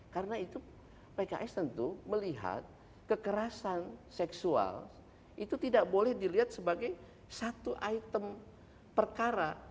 karena itu pks tentu melihat kekerasan seksual itu tidak boleh dilihat sebagai satu item perkara